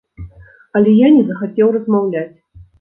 Але я не захацеў размаўляць.